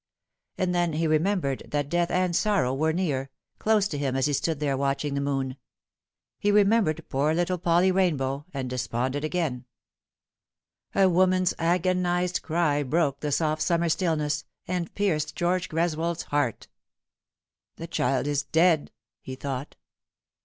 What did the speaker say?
And then he remembered that death and sorrow were near A hi Pity I tkeLily'ia Withered. 57 close to him as he stood there watching the moon. He remem bered poor little Polly Rainbow, and desponded again. A woman's agonised cry broke the soft summer stillness, and pierced George Greswold's heart. " The child is dead !" he thought.